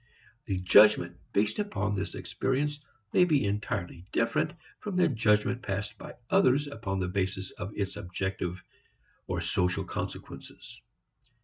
The judgment based upon this experience may be entirely different from the judgment passed by others upon the basis of its objective or social consequences.